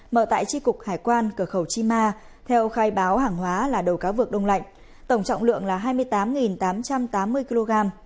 mở tại tri cục hải quan cửa khẩu chima theo khai báo hàng hóa là đầu cá vực đông lạnh tổng trọng lượng là hai mươi tám tám trăm tám mươi kg